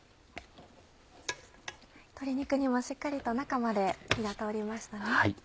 鶏肉にもしっかりと中まで火が通りましたね。